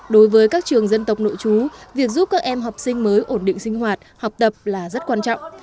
đối với các trường dân tộc nội chú việc giúp các em học sinh mới ổn định sinh hoạt học tập là rất quan trọng